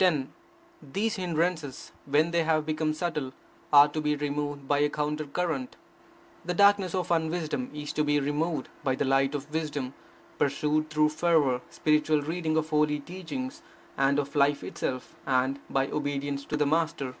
10. These hindrances, when they have become subtle, are to be removed by a countercurrent. The darkness of unwisdom is to be removed by the light of wisdom, pursued through fervour, spiritual reading of holy teachings and of life itself, and by obedience to the Master.